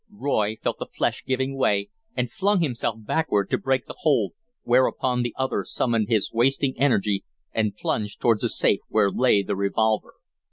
Roy felt the flesh giving way and flung himself backward to break the hold, whereupon the other summoned his wasting energy and plunged towards the safe, where lay the revolver.